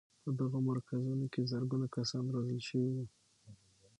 په دغو مرکزونو کې زرګونه کسان روزل شوي وو.